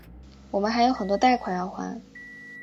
我们还有很多贷款要还